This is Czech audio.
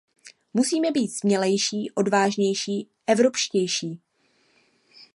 Musíme být smělejší, odvážnější, evropštější.